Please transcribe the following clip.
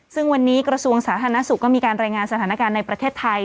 ซึ่งวันนี้กระทรวงสาธารณสุขก็มีการรายงานสถานการณ์ในประเทศไทย